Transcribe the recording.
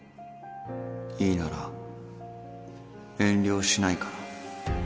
いいなら遠慮しないから。